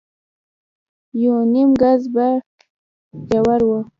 يونيم ګز به ژور و.